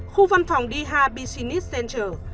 khu văn phòng dh business center